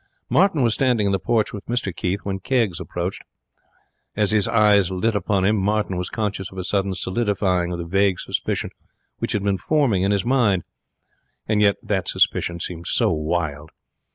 Martin was standing in the porch with Mr Keith when Keggs approached. As his eyes lit on him, Martin was conscious of a sudden solidifying of the vague suspicion which had been forming in his mind. And yet that suspicion seemed so wild.